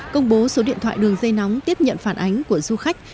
công bố số điện thoại đường dây nóng tiếp nhận phản ánh của du khách